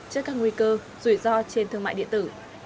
trước các nguy cơ rủi ro trên thương mại điện tử